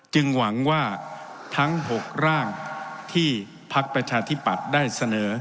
หวังว่าทั้ง๖ร่างที่พักประชาธิปัตย์ได้เสนอ